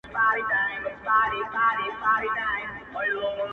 که یو ځلي دي نغمه کړه راته سازه.!